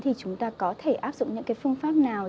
thì chúng ta có thể áp dụng những cái phương pháp nào